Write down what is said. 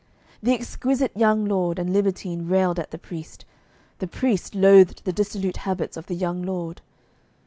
The exquisite young lord and libertine railed at the priest, the priest loathed the dissolute habits of the young lord.